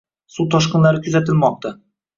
suv toshqinlari kuzatilmoqda